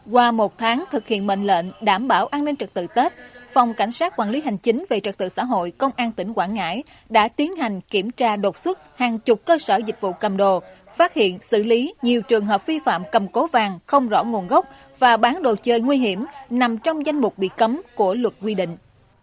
qua một tháng thực hiện mệnh lệnh đảm bảo an ninh trật tự tết phòng cảnh sát quản lý hành chính về trật tự xã hội công an tỉnh quảng ngãi đã tiến hành kiểm tra đột xuất hàng chục cơ sở dịch vụ cầm đồ phát hiện xử lý nhiều trường hợp vi phạm cầm cố vàng không rõ nguồn gốc và bán đồ chơi nguy hiểm nằm trong danh mục bị cấm của luật quy định